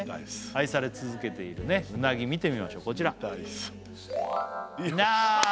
愛され続けているうなぎ見てみましょうこちらあー！